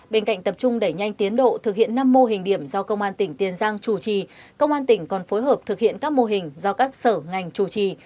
bên cạnh tập trung đẩy nhanh tiến độ thực hiện năm mô hình điểm do công an tỉnh tiền giang chủ trì công an tỉnh còn phối hợp thực hiện các mô hình do các sở ngành chủ trì